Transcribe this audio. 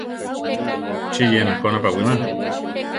¿Chí yénako napawíma?